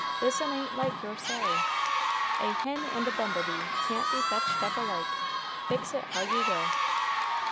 "This 'un ain't like your Sally. 'A hen and a bumble bee can't be fetched up alike, fix it how you will!'"